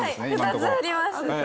はい２つあります。